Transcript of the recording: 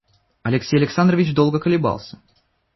Алексей Александрович долго колебался.